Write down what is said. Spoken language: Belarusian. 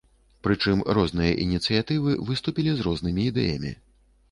Прычым розныя ініцыятывы выступілі з рознымі ідэямі.